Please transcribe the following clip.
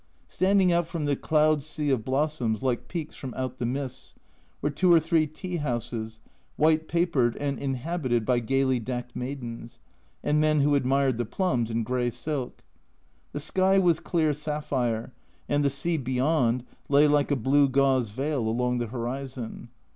Standing out from the cloud sea of blossoms, like peaks from out the mists, were two or three tea houses, white papered and inhabited by gaily decked maidens, and men who admired the plums, in grey silk. The sky was clear sapphire, and the sea beyond lay like a blue gauze veil along the horizon.